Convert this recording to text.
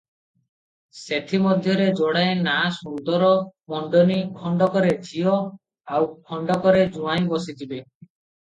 ସେଥିମଧ୍ୟରେ ଯୋଡ଼ାଏ ନାଆ ସୁନ୍ଦର ମଣ୍ଡନୀ, ଖଣ୍ଡକରେ ଝିଅ, ଆଉ ଖଣ୍ଡକରେ ଜୁଆଇଁ ବସି ଯିବେ ।